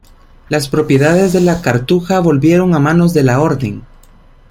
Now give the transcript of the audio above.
Las propiedades de la Cartuja volvieron a manos de la Orden.